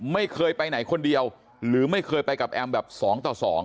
ไม่เคยไปไหนคนเดียวหรือไม่เคยไปกับแอมแบบ๒ต่อ๒